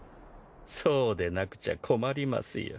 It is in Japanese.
そうでなくちゃ困りますよ。